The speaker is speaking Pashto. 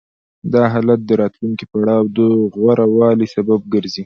دا حالت د راتلونکي پړاو د غوره والي سبب ګرځي